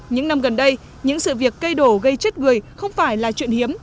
những năm gần đây những sự việc cây đổ gây chết người không phải là chuyện hiếm